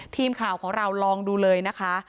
ทีมข่าวของเราลองดูเลยนะคะ